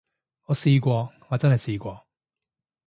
我試過，我真係試過